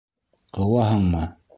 Ҡыуаһыңмы?